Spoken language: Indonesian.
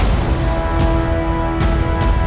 tidak ada yang bisa dihukum